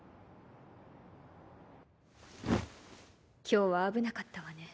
今日は危なかったわね。